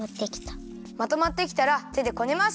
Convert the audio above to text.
まとまってきたらてでこねます。